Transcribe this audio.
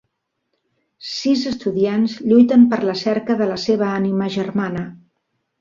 Sis estudiants lluiten per la cerca de la seva ànima germana.